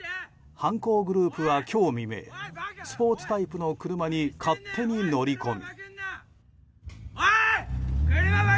犯行グループは今日未明スポーツタイプの車に勝手に乗り込み。